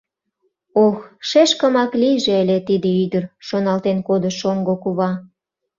«Ох, шешкымак лийже ыле тиде ӱдыр», — шоналтен кодо шоҥго кува.